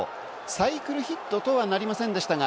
サイクルヒットとはなりませんでしたが、